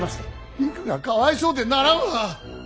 りくがかわいそうでならんわ。